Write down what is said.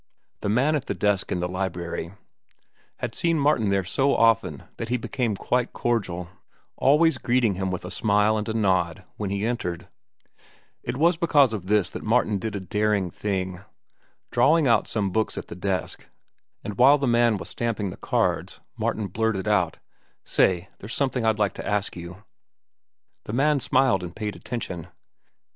The man at the desk in the library had seen Martin there so often that he had become quite cordial, always greeting him with a smile and a nod when he entered. It was because of this that Martin did a daring thing. Drawing out some books at the desk, and while the man was stamping the cards, Martin blurted out: "Say, there's something I'd like to ask you." The man smiled and paid attention.